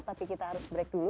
tapi kita harus break dulu